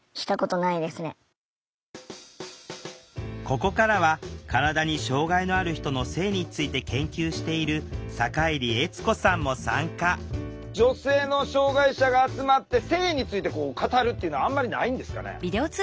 ここからは体に障害のある人の性について研究している坂入悦子さんも参加女性の障害者が集まって性について語るっていうのはあんまりないんですかね？